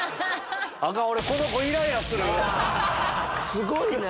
すごいね。